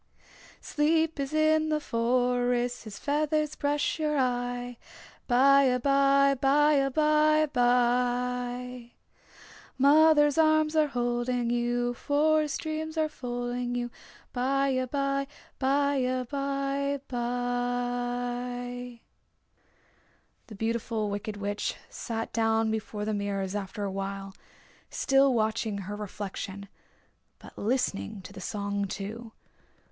Sleep is in the forest His feathers brush your eye. By abye, by abye bye. Mother's arms are holding you, Forest dreams are folding you. By abye, by abye bye. The Beautiful Wicked Witch sat down before the mirrors after a while, still watching her reflection, but listening to the song, too.